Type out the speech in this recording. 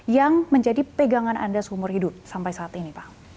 yang menjadi pegangan anda seumur hidup sampai saat ini pak